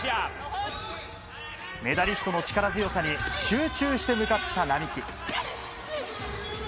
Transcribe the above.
メダリストの力強さに集中して向かった並木。